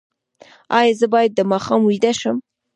ایا زه باید د ماښام ویده شم؟